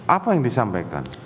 apa yang disampaikan